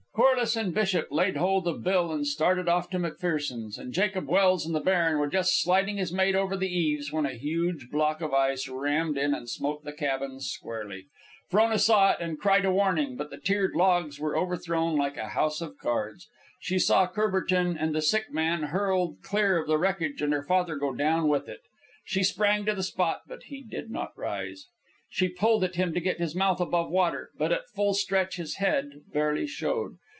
Corliss and Bishop laid hold of Bill and started off to McPherson's, and Jacob Welse and the baron were just sliding his mate over the eaves, when a huge block of ice rammed in and smote the cabin squarely. Frona saw it, and cried a warning, but the tiered logs were overthrown like a house of cards. She saw Courbertin and the sick man hurled clear of the wreckage, and her father go down with it. She sprang to the spot, but he did not rise. She pulled at him to get his mouth above water, but at full stretch his head, barely showed.